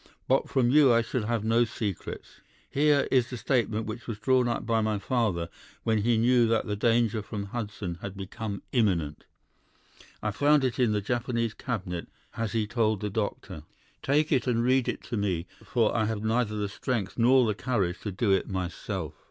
'But from you I shall have no secrets. Here is the statement which was drawn up by my father when he knew that the danger from Hudson had become imminent. I found it in the Japanese cabinet, as he told the doctor. Take it and read it to me, for I have neither the strength nor the courage to do it myself.